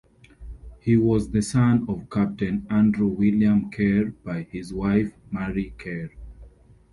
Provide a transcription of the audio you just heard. He was the son of Captain Andrew William Kerr by his wife, Marie Kerr.